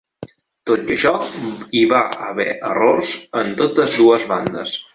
Tot i això, hi va haver errors en totes dues bandes.